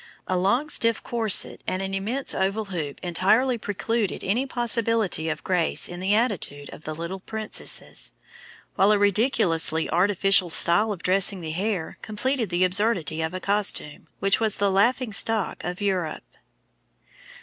A long stiff corset and an immense oval hoop entirely precluded any possibility of grace in the attitude of the little princesses, while a ridiculously artificial style of dressing the hair completed the absurdity of a costume which was the laughing stock of Europe.